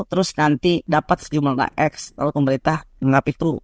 terus nanti dapat jumlah x kalau pemerintah mengapik itu